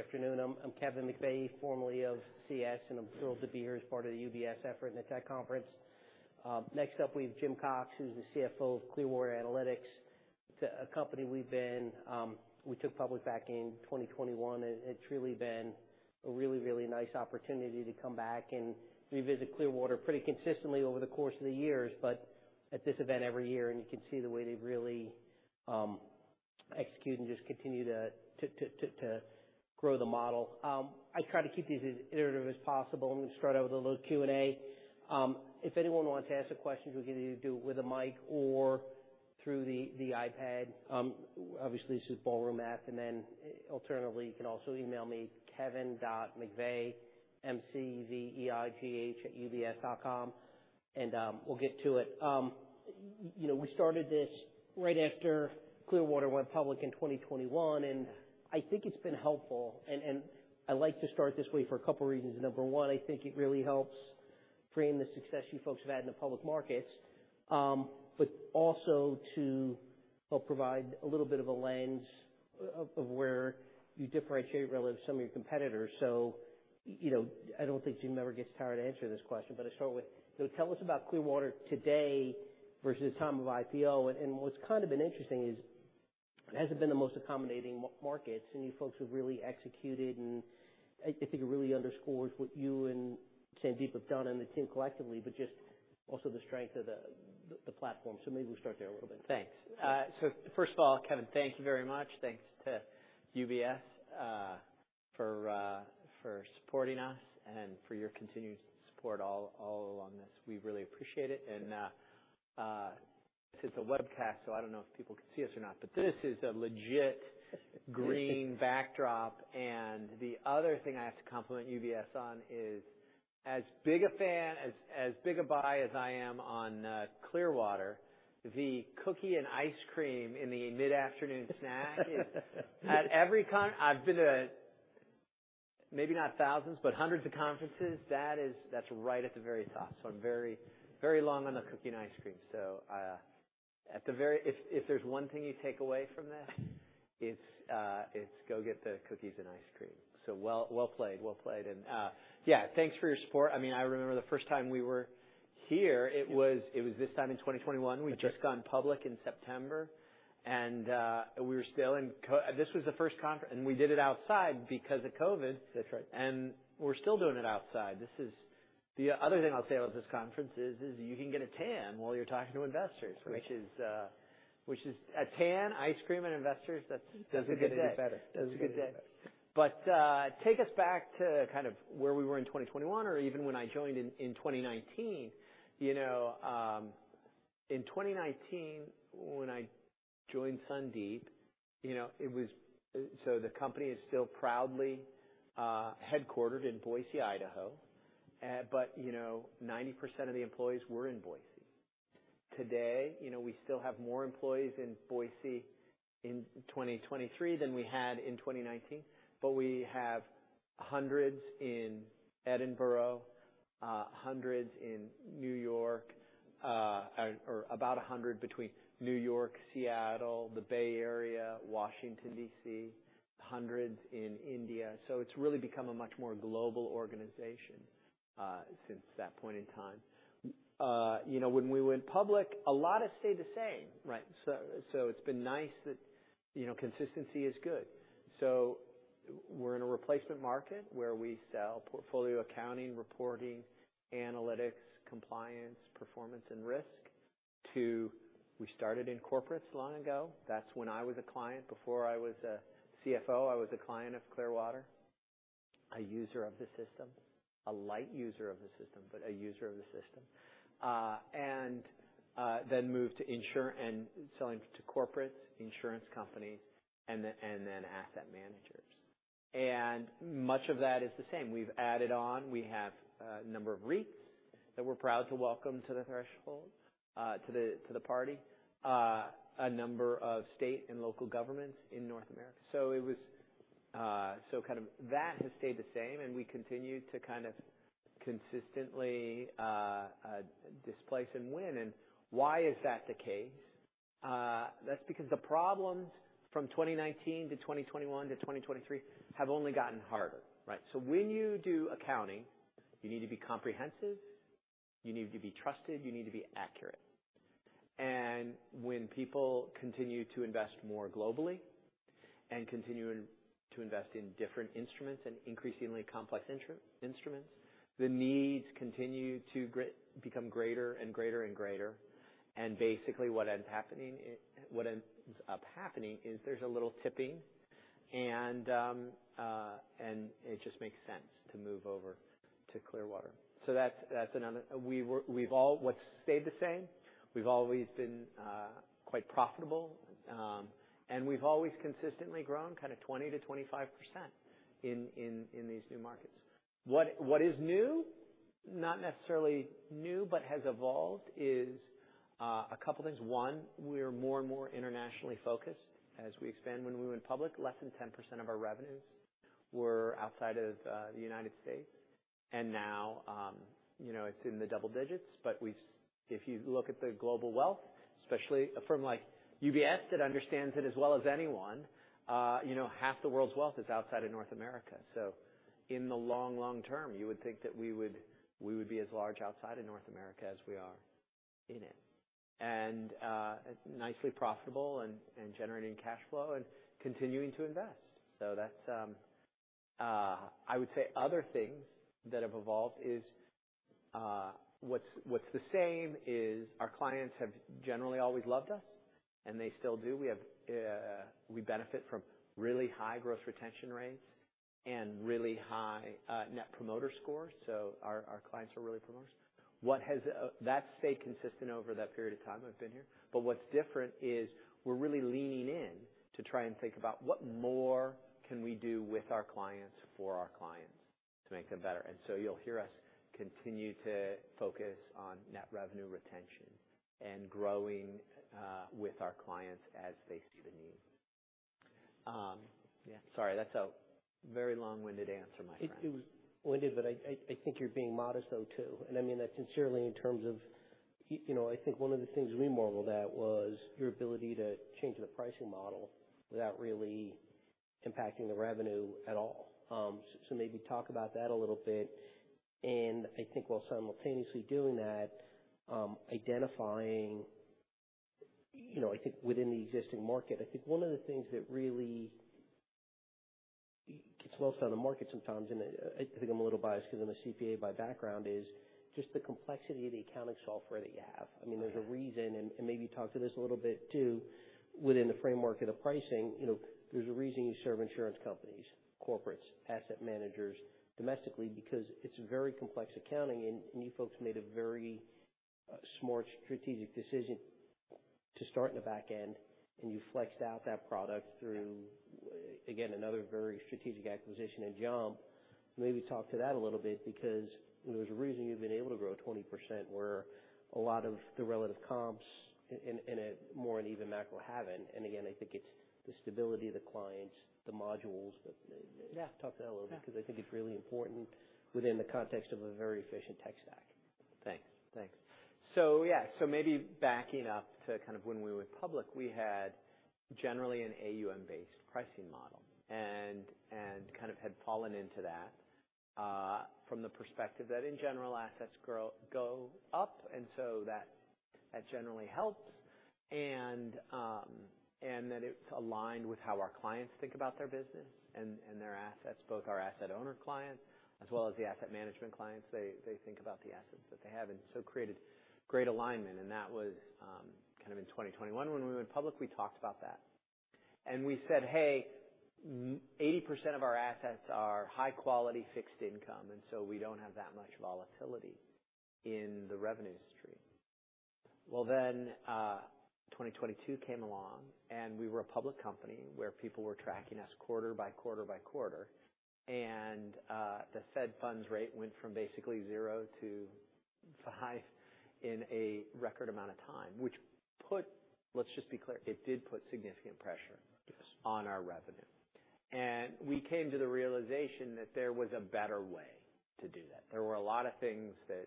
Good afternoon. I'm Kevin McVeigh, formerly of CS, and I'm thrilled to be here as part of the UBS effort in the tech conference. Next up, we have Jim Cox, who's the CFO of Clearwater Analytics. It's a company we've been. We took public back in 2021, and it's really been a really, really nice opportunity to come back and revisit Clearwater pretty consistently over the course of the years. But at this event every year, and you can see the way they really execute and just continue to grow the model. I try to keep these as iterative as possible. I'm going to start out with a little Q&A. If anyone wants to ask the questions, we'll get you to do it with a mic or through the iPad. Obviously, this is Ballroom App, and then alternatively, you can also email me kevin.mcveigh@ubs.com, and we'll get to it. You know, we started this right after Clearwater went public in 2021, and I think it's been helpful. I like to start this way for a couple reasons. Number one, I think it really helps frame the success you folks have had in the public markets, but also to help provide a little bit of a lens of where you differentiate relative to some of your competitors. You know, I don't think Jim ever gets tired of answering this question, but I'll start with, so tell us about Clearwater today versus the time of IPO. What's kind of been interesting is it hasn't been the most accommodating markets, and you folks have really executed, and I think it really underscores what you and Sandeep have done and the team collectively, but just also the strength of the platform. So maybe we'll start there a little bit. Thanks. So first of all, Kevin, thank you very much. Thanks to UBS for supporting us and for your continued support all along this. We really appreciate it. And this is a webcast, so I don't know if people can see us or not, but this is a legit green backdrop. And the other thing I have to compliment UBS on is, as big a fan, as big a buy as I am on Clearwater, the cookie and ice cream in the mid-afternoon snack is at every conference I've been to maybe not thousands, but hundreds of conferences. That is, that's right at the very top. So I'm very, very long on the cookie and ice cream. So, if there's one thing you take away from this, it's go get the cookies and ice cream. Well played, well played. And, yeah, thanks for your support. I mean, I remember the first time we were here, it was this time in 2021. That's right. We'd just gone public in September, and we were still in COVID. This was the first conference, and we did it outside because of COVID. That's right. We're still doing it outside. This is the other thing I'll say about this conference: you can get a tan while you're talking to investors. Correct. -which is AUM, clients, and investors. That's a good day. Doesn't get any better. That's a good day. Doesn't get any better. Take us back to kind of where we were in 2021, or even when I joined in 2019. You know, in 2019, when I joined Sandeep, you know, it was... So the company is still proudly headquartered in Boise, Idaho. But, you know, 90% of the employees were in Boise. Today, you know, we still have more employees in Boise in 2023 than we had in 2019, but we have hundreds in Edinburgh, hundreds in New York, or about 100 between New York, Seattle, the Bay Area, Washington, D.C., hundreds in India. So it's really become a much more global organization, since that point in time. You know, when we went public, a lot has stayed the same. Right. So it's been nice that, you know, consistency is good. So we're in a replacement market where we sell portfolio accounting, reporting, analytics, compliance, performance, and risk to... We started in corporates long ago. That's when I was a client. Before I was a CFO, I was a client of Clearwater, a user of the system, a light user of the system, but a user of the system. And then moved to insurance and selling to corporates, insurance companies, and then asset managers. Much of that is the same. We've added on. We have a number of REITs that we're proud to welcome to the threshold, to the party, a number of state and local governments in North America. So it was, so kind of that has stayed the same, and we continue to kind of consistently, displace and win. And why is that the case? That's because the problems from 2019 to 2021 to 2023 have only gotten harder, right? So when you do accounting, you need to be comprehensive, you need to be trusted, you need to be accurate. And when people continue to invest more globally and continue to invest in different instruments and increasingly complex instruments, the needs continue to become greater and greater and greater. And basically what ends up happening is there's a little tipping, and it just makes sense to move over to Clearwater. So that's, that's another... We've all-- What's stayed the same, we've always been quite profitable, and we've always consistently grown kind of 20%-25% in these new markets. What is new? Not necessarily new, but has evolved is a couple things. One, we are more and more internationally focused as we expand. When we went public, less than 10% of our revenues were outside of the United States. And now, you know, it's in the double digits. But if you look at the global wealth, especially a firm like UBS, that understands it as well as anyone, you know, half the world's wealth is outside of North America. So in the long, long term, you would think that we would be as large outside of North America as we are in it. Nicely profitable and generating cash flow and continuing to invest. So that's. I would say other things that have evolved is what's the same is our clients have generally always loved us, and they still do. We benefit from really high gross retention rates and really high net promoter scores. So our clients are really promoters. That's stayed consistent over that period of time I've been here, but what's different is we're really leaning in to try and think about what more can we do with our clients, for our clients to make them better? So you'll hear us continue to focus on net revenue retention and growing with our clients as they see the need. Yeah, sorry, that's a very long-winded answer, my friend. It was winded, but I think you're being modest, though, too. And I mean that sincerely in terms of, you know, I think one of the things we marveled at was your ability to change the pricing model without really impacting the revenue at all. So maybe talk about that a little bit. And I think while simultaneously doing that, identifying, you know, I think within the existing market, I think one of the things that really gets lost on the market sometimes, and I think I'm a little biased because I'm a CPA by background, is just the complexity of the accounting software that you have. Yeah. I mean, there's a reason, and, and maybe talk to this a little bit, too, within the framework of the pricing. You know, there's a reason you serve insurance companies, corporates, asset managers domestically, because it's very complex accounting, and, and you folks made a very, smart strategic decision to start in the back end, and you flexed out that product through, again, another very strategic acquisition in JUMP. Maybe talk to that a little bit, because there's a reason you've been able to grow 20%, where a lot of the relative comps in, in a more uneven macro haven't. And again, I think it's the stability of the clients, the modules. Yeah. Talk to that a little bit- Yeah. because I think it's really important within the context of a very efficient tech stack. Thanks. Thanks. So yeah, so maybe backing up to kind of when we went public, we had generally an AUM-based pricing model and kind of had fallen into that from the perspective that, in general, assets go up, and so that generally helps. And that it's aligned with how our clients think about their business and their assets, both our asset owner clients as well as the asset management clients. They think about the assets that they have, and so created great alignment. And that was kind of in 2021 when we went public, we talked about that. We said, "Hey, 80% of our assets are high-quality fixed income, and so we don't have that much volatility in the revenue stream." Well, then, 2022 came along, and we were a public company where people were tracking us quarter by quarter by quarter. And, the Fed funds rate went from basically zero to five in a record amount of time, which put... Let's just be clear, it did put significant pressure- Yes... on our revenue. We came to the realization that there was a better way to do that. There were a lot of things that,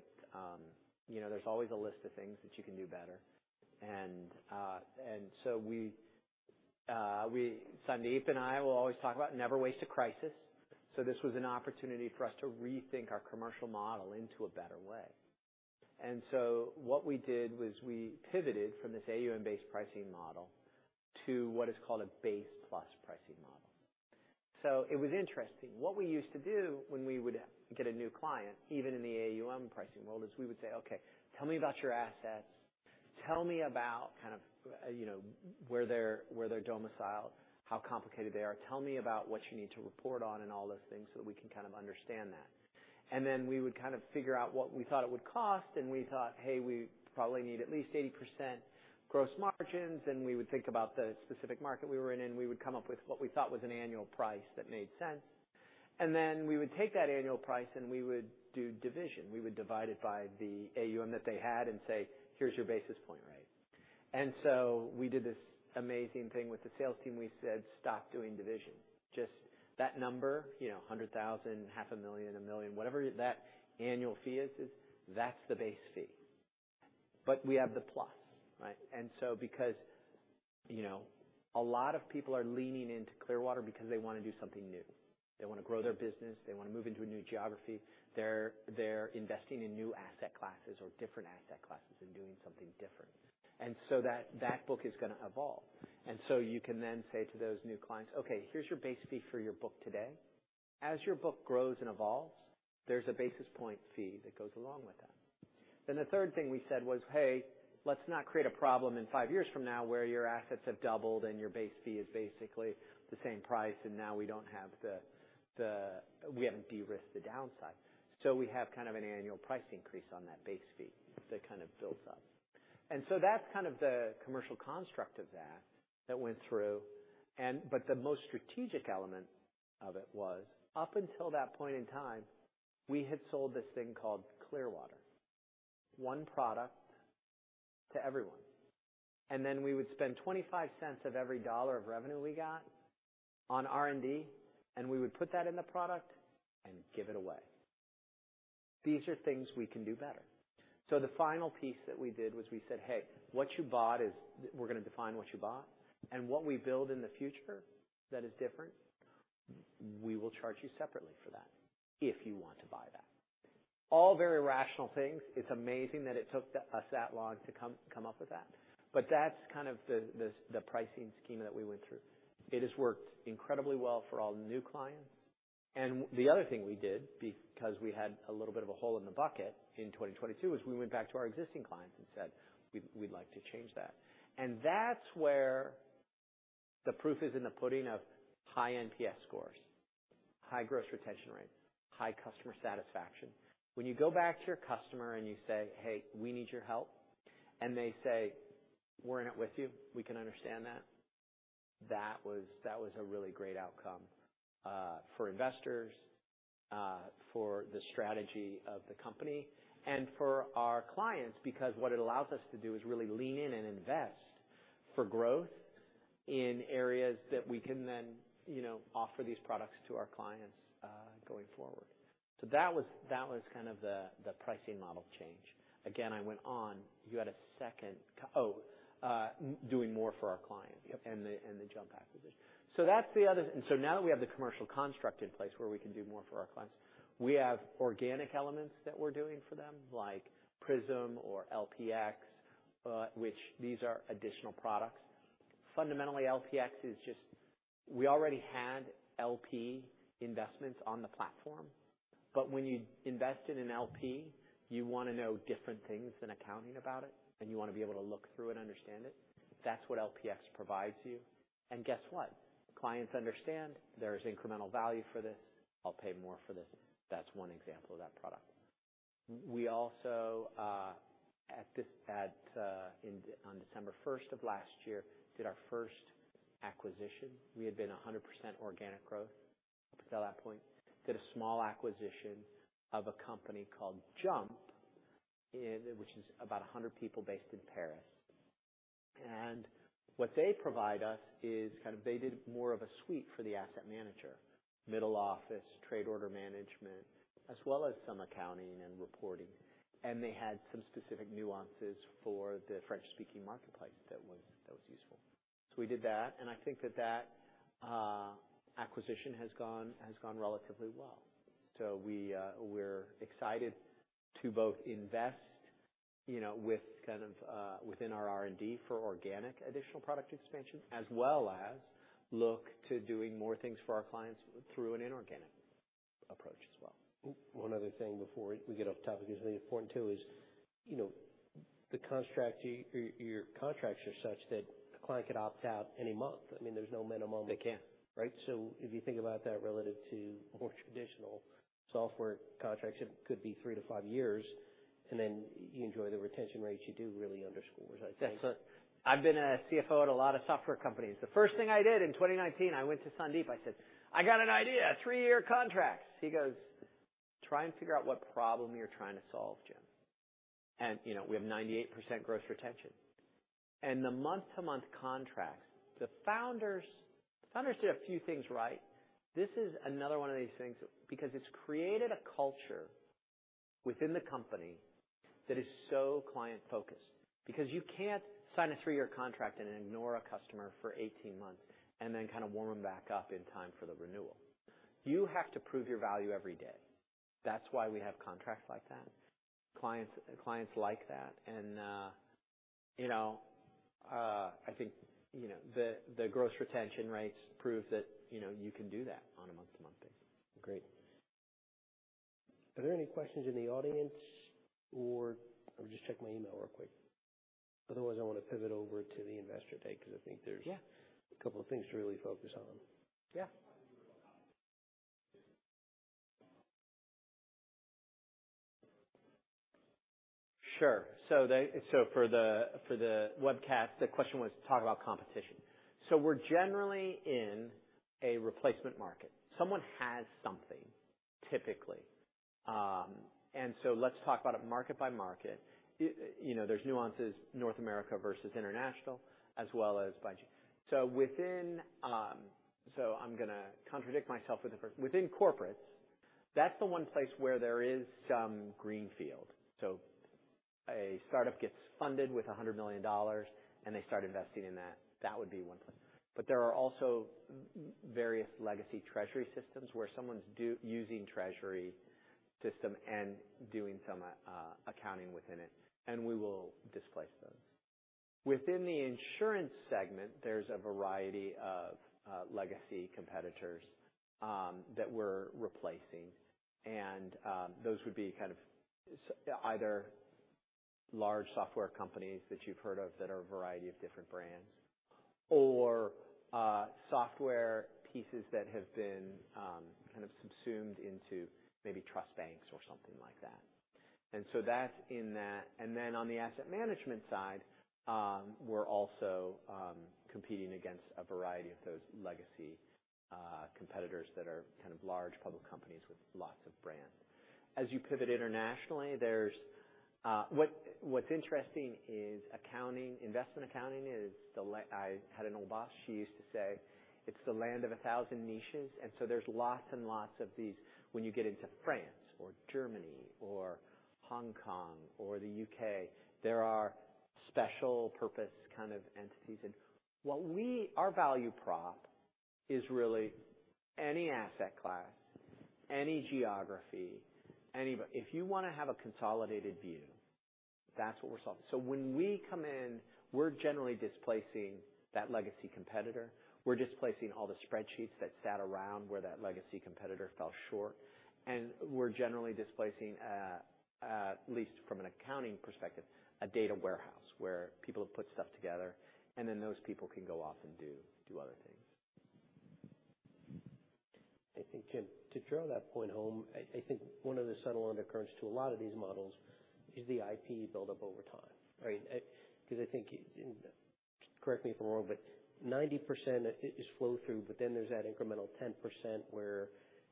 you know, there's always a list of things that you can do better. And, and so we, Sandeep and I will always talk about never waste a crisis. So this was an opportunity for us to rethink our commercial model into a better way. And so what we did was we pivoted from this AUM-based pricing model to what is called a Base Plus pricing model. So it was interesting. What we used to do when we would get a new client, even in the AUM pricing world, is we would say, "Okay, tell me about your assets. Tell me about kind of, you know, where they're, where they're domiciled, how complicated they are. Tell me about what you need to report on and all those things, so that we can kind of understand that." And then we would kind of figure out what we thought it would cost, and we thought, "Hey, we probably need at least 80% gross margins." Then we would think about the specific market we were in, and we would come up with what we thought was an annual price that made sense. Then we would take that annual price, and we would do division. We would divide it by the AUM that they had and say, "Here's your basis point, right?" So we did this amazing thing with the sales team. We said, "Stop doing division." Just that number, you know, $100,000, $500,000, $1 million, whatever that annual fee is, that's the base fee. But we have the plus, right? And so because, you know, a lot of people are leaning into Clearwater because they want to do something new. They want to grow their business. They want to move into a new geography. They're, they're investing in new asset classes or different asset classes and doing something different. And so that, that book is gonna evolve. And so you can then say to those new clients, "Okay, here's your base fee for your book today. As your book grows and evolves, there's a basis point fee that goes along with that." Then the third thing we said was, "Hey, let's not create a problem in five years from now where your assets have doubled and your base fee is basically the same price, and now we don't have the, the—we haven't de-risked the downside. So we have kind of an annual price increase on that base fee that kind of builds up." And so that's kind of the commercial construct of that, that went through and... But the most strategic element of it was, up until that point in time, we had sold this thing called Clearwater. One product to everyone, and then we would spend 25 cents of every dollar of revenue we got on R&D, and we would put that in the product and give it away. These are things we can do better. So the final piece that we did was we said, "Hey, what you bought is, we're going to define what you bought, and what we build in the future that is different, we will charge you separately for that, if you want to buy that." All very rational things. It's amazing that it took us that long to come up with that, but that's kind of the pricing scheme that we went through. It has worked incredibly well for all new clients. And the other thing we did, because we had a little bit of a hole in the bucket in 2022, is we went back to our existing clients and said, "We'd like to change that." And that's where the proof is in the pudding of high NPS scores, high gross retention rates, high customer satisfaction. When you go back to your customer and you say, "Hey, we need your help," and they say, "We're in it with you, we can understand that," that was a really great outcome for investors, for the strategy of the company and for our clients. Because what it allows us to do is really lean in and invest for growth in areas that we can then, you know, offer these products to our clients, going forward. So that was kind of the pricing model change. Again, I went on, you had a second... Oh, doing more for our client- Yep. and the JUMP acquisition. So that's the other... And so now that we have the commercial construct in place where we can do more for our clients, we have organic elements that we're doing for them, like Prism or LPx, which these are additional products. Fundamentally, LPx is just... We already had LP investments on the platform, but when you invest in an LP, you want to know different things than accounting about it, and you want to be able to look through it and understand it. That's what LPx provides you. And guess what? Clients understand there's incremental value for this. I'll pay more for this. That's one example of that product. We also, on December first of last year, did our first acquisition. We had been 100% organic growth up until that point. Did a small acquisition of a company called JUMP, which is about 100 people based in Paris. And what they provide us is kind of they did more of a suite for the asset manager, middle office, trade order management, as well as some accounting and reporting. And they had some specific nuances for the French-speaking marketplace that was useful. So we did that, and I think that acquisition has gone relatively well. So we're excited to both invest, you know, with kind of within our R&D for organic additional product expansion, as well as look to doing more things for our clients through an inorganic approach as well. One other thing before we get off the topic, that's really important, too, is, you know, the contract, your contracts are such that a client could opt out any month. I mean, there's no minimum- They can. Right? So if you think about that relative to more traditional software contracts, it could be three to five years, and then you enjoy the retention rates you do really underscores, I think. That's. I've been a CFO at a lot of software companies. The first thing I did in 2019, I went to Sandeep. I said, "I got an idea, three-year contracts." He goes, "Try and figure out what problem you're trying to solve, Jim." And, you know, we have 98% gross retention. And the month-to-month contracts, the founders, the founders did a few things right. This is another one of these things, because it's created a culture within the company that is so client-focused. Because you can't sign a three-year contract and ignore a customer for 18 months and then kind of warm them back up in time for the renewal. You have to prove your value every day. That's why we have contracts like that. Clients, clients like that, and, you know, I think, you know, the gross retention rates prove that, you know, you can do that on a month-to-month basis. Great. Are there any questions in the audience or... Let me just check my email real quick. Otherwise, I want to pivot over to the Investor Day, because I think there's- Yeah. A couple of things to really focus on. Yeah. Sure. So they, so for the, for the webcast, the question was to talk about competition. So we're generally in a replacement market. Someone has something, typically. And so let's talk about it market by market. You know, there's nuances, North America versus international, as well as by. So within. So I'm gonna contradict myself with the first. Within corporates, that's the one place where there is some greenfield. So a startup gets funded with $100 million, and they start investing in that. That would be one place. But there are also various legacy treasury systems where someone's using treasury system and doing some accounting within it, and we will displace those. Within the insurance segment, there's a variety of legacy competitors that we're replacing, and those would be kind of either large software companies that you've heard of that are a variety of different brands or software pieces that have been kind of subsumed into maybe trust banks or something like that. And so that's in that. On the asset management side, we're also competing against a variety of those legacy competitors that are kind of large public companies with lots of brand. As you pivot internationally, what's interesting is accounting, investment accounting is the la-- I had an old boss, she used to say, "It's the land of a thousand niches." There's lots and lots of these when you get into France or Germany or Hong Kong or the U.K., there are special purpose kind of entities. What we-- our value prop is really any asset class, any geography, anybo- if you wanna have a consolidated view, that's what we're solving. When we come in, we're generally displacing that legacy competitor. We're displacing all the spreadsheets that sat around where that legacy competitor fell short, and we're generally displacing, at least from an accounting perspective, a data warehouse where people have put stuff together, and then those people can go off and do other things. I think, Jim, to drive that point home, I think one of the subtle undercurrents to a lot of these models is the IP buildup over time, right? 'Cause I think, correct me if I'm wrong, but 90% is flow through, but then there's that incremental 10% where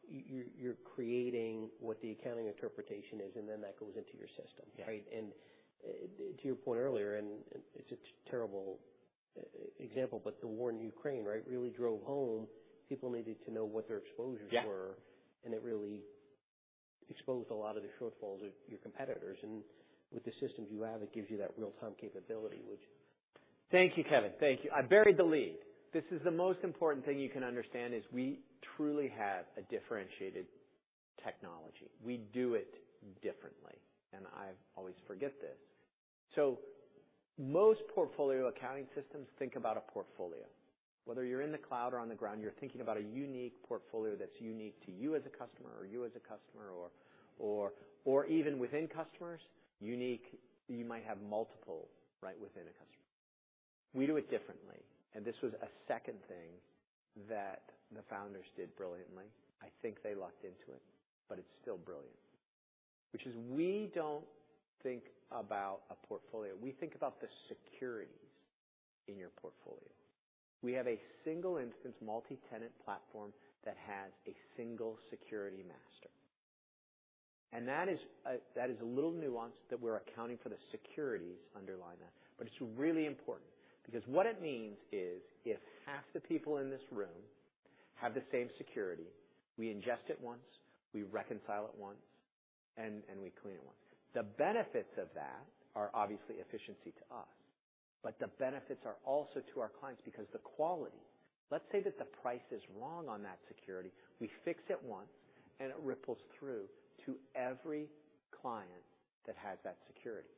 you're creating what the accounting interpretation is, and then that goes into your system, right? Yeah. To your point earlier, and it's a terrible example, but the war in Ukraine, right, really drove home people needed to know what their exposures were. Yeah. It really exposed a lot of the shortfalls of your competitors, and with the systems you have, it gives you that real-time capability, which- Thank you, Kevin. Thank you. I buried the lead. This is the most important thing you can understand, is we truly have a differentiated technology. We do it differently, and I always forget this. So most portfolio accounting systems think about a portfolio. Whether you're in the cloud or on the ground, you're thinking about a unique portfolio that's unique to you as a customer or you as a customer, or even within customers, unique. You might have multiple, right, within a customer. We do it differently, and this was a second thing that the founders did brilliantly. I think they locked into it, but it's still brilliant, which is we don't think about a portfolio. We think about the securities in your portfolio. We have a single instance, multi-tenant platform that has a single security master. And that is a little nuance that we're accounting for the securities underlying that. But it's really important because what it means is, if half the people in this room have the same security, we ingest it once, we reconcile it once, and we clean it once. The benefits of that are obviously efficiency to us, but the benefits are also to our clients because the quality. Let's say that the price is wrong on that security, we fix it once, and it ripples through to every client that has that security.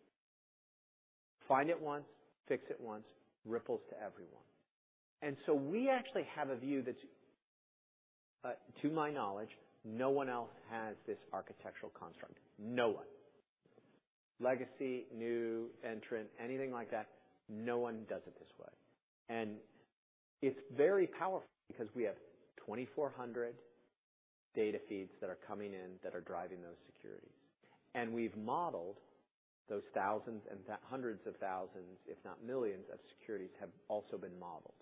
Find it once, fix it once, ripples to everyone. And so we actually have a view that's, to my knowledge, no one else has this architectural construct. No one. Legacy, new entrant, anything like that, no one does it this way. And it's very powerful because we have 2,400 data feeds that are coming in that are driving those securities. And we've modeled those thousands and hundreds of thousands, if not millions, of securities have also been modeled.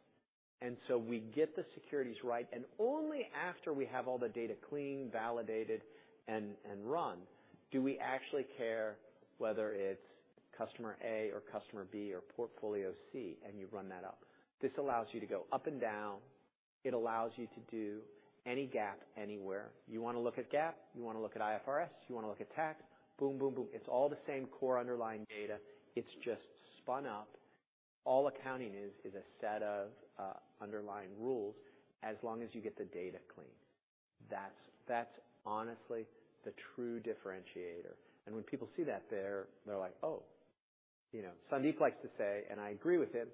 And so we get the securities right, and only after we have all the data clean, validated, and run, do we actually care whether it's customer A or customer B or portfolio C, and you run that up. This allows you to go up and down. It allows you to do any GAAP anywhere. You wanna look at GAAP, you wanna look at IFRS, you wanna look at tax, boom, boom, boom. It's all the same core underlying data. It's just spun up. All accounting is, is a set of underlying rules as long as you get the data clean. That's, that's honestly the true differentiator. When people see that, they're like, "Oh," you know. Sandeep likes to say, and I agree with him,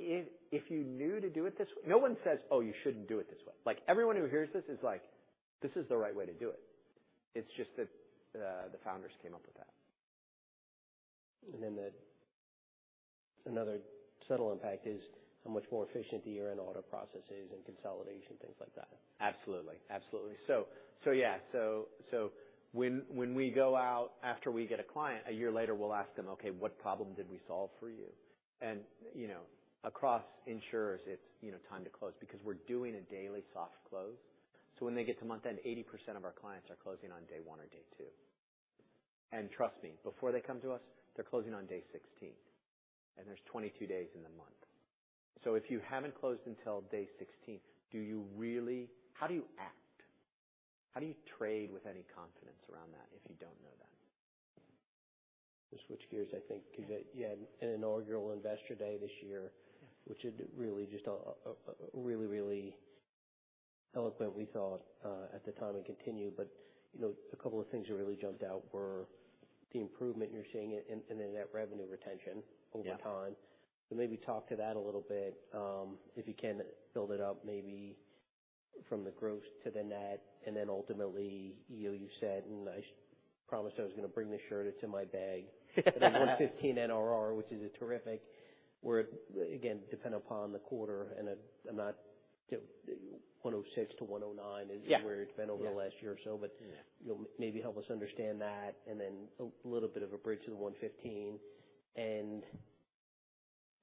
"If you knew to do it this way..." No one says, "Oh, you shouldn't do it this way." Like, everyone who hears this is like, "This is the right way to do it." It's just that, the founders came up with that. And then another subtle impact is how much more efficient you are in auto processes and consolidation, things like that. Absolutely. Absolutely. So yeah, so when we go out after we get a client, a year later, we'll ask them: "Okay, what problem did we solve for you?" And, you know, across insurers, it's, you know, time to close because we're doing a daily soft close. So when they get to month-end, 80% of our clients are closing on day one or day two. And trust me, before they come to us, they're closing on day 16, and there's 22 days in the month. So if you haven't closed until day 16, do you really—how do you act? How do you trade with any confidence around that if you don't know that? To switch gears, I think, because you had an inaugural Investor Day this year, which is really just a really, really eloquent, we thought, at the time and continue. But, you know, a couple of things that really jumped out were the improvement you're seeing in the Net Revenue Retention over time. Yeah. So maybe talk to that a little bit. If you can build it up, maybe from the gross to the net, and then ultimately, you know, you said, and I promised I was going to bring the shirt. It's in my bag. The 115% NRR, which is a terrific, where, again, depend upon the quarter and, not 106%-109%- Yeah. is where it's been over the last year or so. Yeah. But you'll maybe help us understand that and then a little bit of a bridge to the 115%...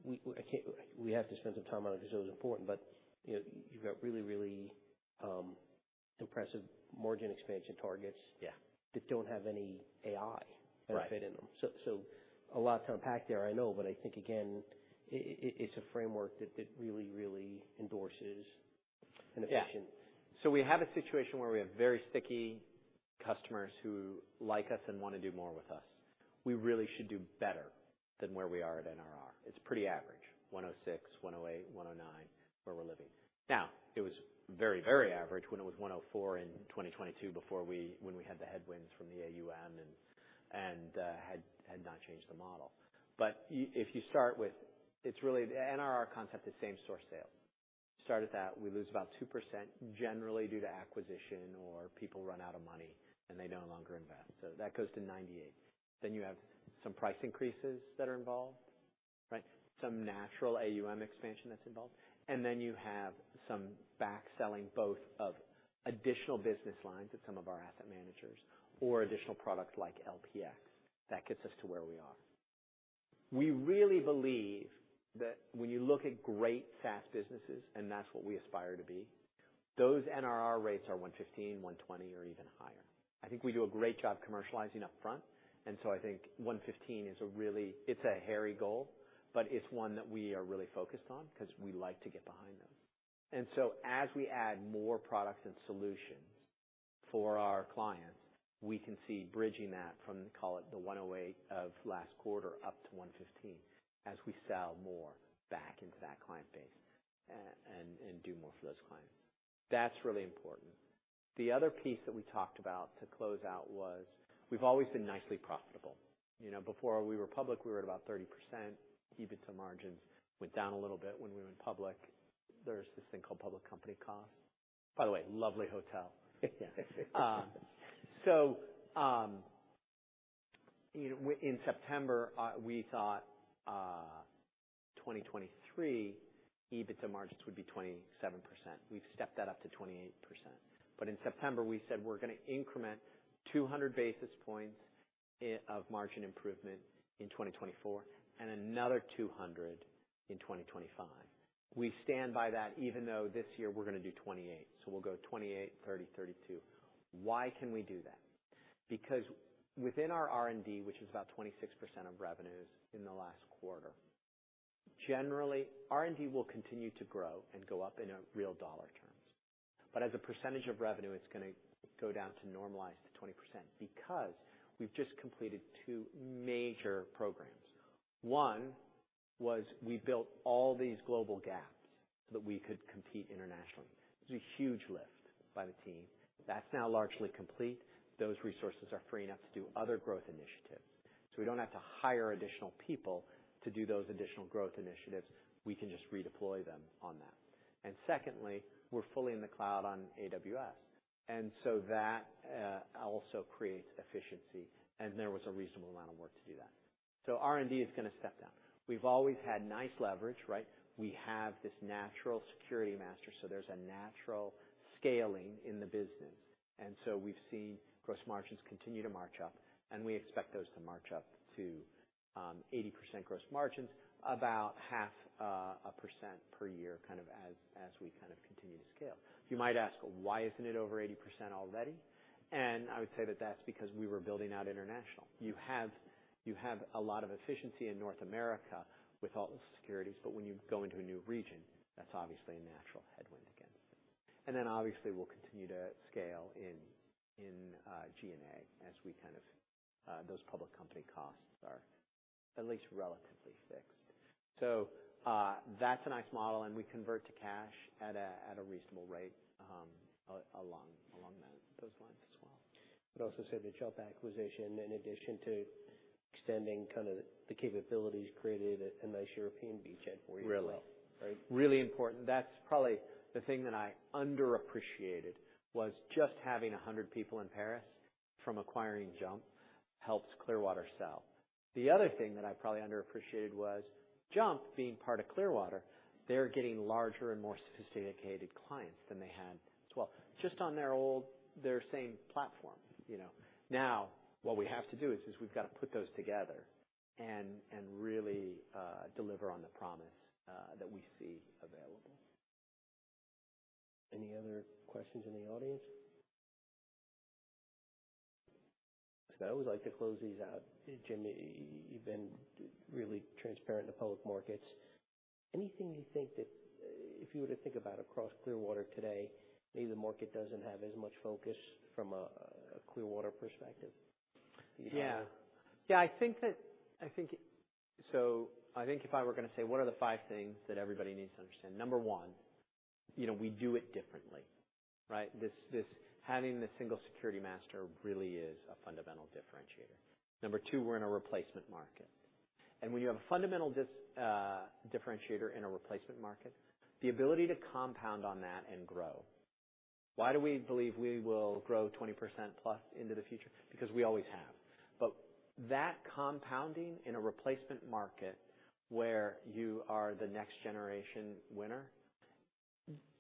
We, I can't—we have to spend some time on it because it was important, but, you know, you've got really, really impressive margin expansion targets. Yeah. that don't have any AI Right. benefit in them. So, a lot to unpack there, I know, but I think, again, it, it's a framework that really endorses an efficient- Yeah. So we have a situation where we have very sticky customers who like us and wanna do more with us. We really should do better than where we are at NRR. It's pretty average, 106%, 108%, 109%, where we're living. Now, it was very, very average when it was 104% in 2022, before we—when we had the headwinds from the AUM and had not changed the model. But if you start with... It's really the NRR concept is same-store sales. Start at that, we lose about 2%, generally due to acquisition or people run out of money, and they no longer invest, so that goes to 98%. Then you have some price increases that are involved, right? Some natural AUM expansion that's involved, and then you have some back-selling, both of additional business lines of some of our asset managers or additional products like LPx. That gets us to where we are. We really believe that when you look at great, fast businesses, and that's what we aspire to be, those NRR rates are 115%, 120%, or even higher. I think we do a great job commercializing upfront, and so I think 115% is a really... It's a hairy goal, but it's one that we are really focused on because we like to get behind them. And so as we add more products and solutions for our clients, we can see bridging that from, call it, the 108% of last quarter up to 115%, as we sell more back into that client base, and do more for those clients. That's really important. The other piece that we talked about to close out was we've always been nicely profitable. You know, before we were public, we were at about 30%. EBITDA margins went down a little bit when we went public. There's this thing called public company costs. By the way, lovely hotel. Yeah. You know, in September 2023, EBITDA margins would be 27%. We've stepped that up to 28%. But in September, we said we're gonna increment 200 basis points of margin improvement in 2024 and another 200% in 2025. We stand by that, even though this year we're gonna do 28%, so we'll go 28%, 30%, 32%. Why can we do that? Because within our R&D, which is about 26% of revenues in the last quarter, generally, R&D will continue to grow and go up in real dollar terms. But as a percentage of revenue, it's gonna go down to normalize to 20% because we've just completed two major programs. One, was we built all these global GAAPs, so that we could compete internationally. It was a huge lift by the team. That's now largely complete. Those resources are free enough to do other growth initiatives. So we don't have to hire additional people to do those additional growth initiatives. We can just redeploy them on that. And secondly, we're fully in the cloud on AWS, and so that also creates efficiency, and there was a reasonable amount of work to do that. So R&D is gonna step down. We've always had nice leverage, right? We have this single security master, so there's a natural scaling in the business. So we've seen gross margins continue to march up, and we expect those to march up to 80% gross margins, about half a percent per year, kind of, as, as we kind of continue to scale. You might ask, "Why isn't it over 80% already?" And I would say that that's because we were building out international. You have, you have a lot of efficiency in North America with all the securities, but when you go into a new region, that's obviously a natural headwind against it. And then, obviously, we'll continue to scale in G&A as we kind of... Those public company costs are at least relatively fixed. That's a nice model, and we convert to cash at a reasonable rate, along those lines as well. But also say the JUMP acquisition, in addition to extending kind of the capabilities, created a nice European beachhead for you. Really. Right. Really important. That's probably the thing that I underappreciated, was just having 100 people in Paris from acquiring JUMP helps Clearwater sell. The other thing that I probably underappreciated was JUMP being part of Clearwater, they're getting larger and more sophisticated clients than they had as well, just on their old, their same platform, you know. Now, what we have to do is we've got to put those together and really deliver on the promise that we see available. Any other questions in the audience? I always like to close these out. Jimmy, you've been really transparent to public markets. Anything you think that if you were to think about across Clearwater today, maybe the market doesn't have as much focus from a Clearwater perspective? Yeah. Yeah, I think that—I think... So I think if I were gonna say, what are the five things that everybody needs to understand? Number one, you know, we do it differently, right? This, this having the single security master really is a fundamental differentiator. Number two, we're in a replacement market. And when you have a fundamental differentiator in a replacement market, the ability to compound on that and grow. Why do we believe we will grow 20%+ into the future? Because we always have. But that compounding in a replacement market, where you are the next generation winner,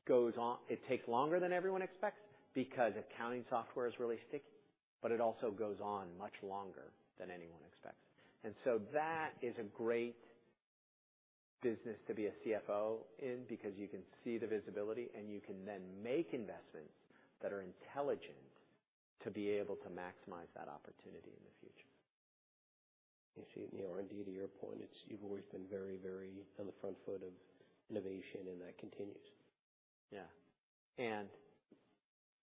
goes on. It takes longer than everyone expects, because accounting software is really sticky, but it also goes on much longer than anyone expects. And so that is a great business to be a CFO in, because you can see the visibility, and you can then make investments that are intelligent to be able to maximize that opportunity in the future. You see, you know, indeed, to your point, you've always been very, very on the front foot of innovation, and that continues. Yeah,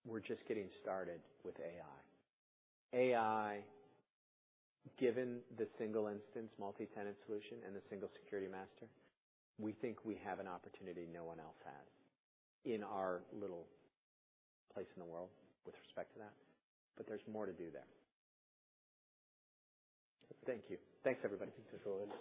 we're just getting started with AI. AI, given the single-instance, multi-tenant solution and the single security master, we think we have an opportunity no one else has in our little place in the world with respect to that, but there's more to do there. Thank you. Thanks, everybody, for joining.